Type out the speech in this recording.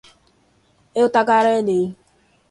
eu tagarelarei